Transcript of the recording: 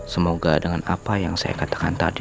semoga dengan apa yang saya katakan tadi